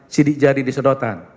sidik jari disedotan